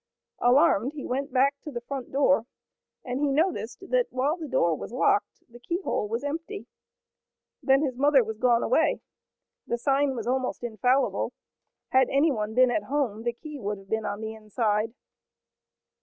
Alarmed, he went back to the front door, and he noticed that while the door was locked the keyhole was empty. Then his mother was gone away. The sign was almost infallible. Had any one been at home the key would have been on the inside.